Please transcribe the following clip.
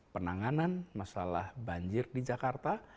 penanganan masalah banjir di jakarta